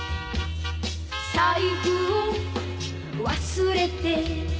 「財布を忘れて」